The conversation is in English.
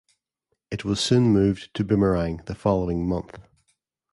It was soon moved to Boomerang the following month.